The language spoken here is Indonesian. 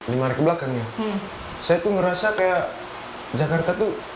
lima hari kebelakang ya saya tuh ngerasa kayak jakarta tuh